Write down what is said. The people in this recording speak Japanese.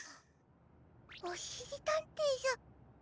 おしりたんていさん？